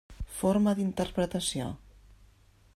Forma d'interpretació: